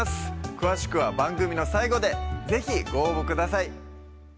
詳しくは番組の最後で是非ご応募ください